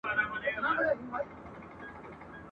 لکه اوښکه بې هدفه رغړېدمه !.